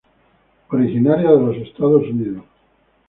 Originaria de los Estados Unidos.